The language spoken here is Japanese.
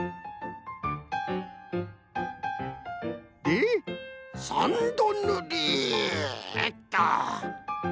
で３どぬりっと！